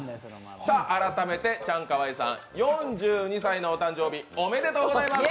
改めてチャンカワイさん、４２歳のお誕生日おめでとうございます。